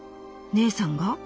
姐さんが？